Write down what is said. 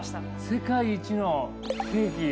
世界一のケーキ。